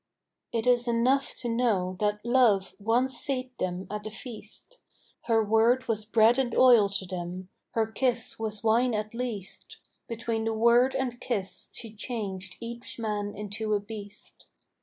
It is enough to know that love once sate them at a feast Her word was bread and oil to them, her kiss was wine at least; Between the word and kiss she changed each man into a beast.